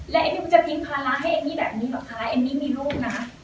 และเอมมี่จะกินภาระให้เอมมี่แบบนี้เหรอคะเอมมี่มีลูกนะ